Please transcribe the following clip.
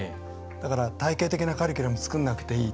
だから体系的なカリキュラム作らなくていい。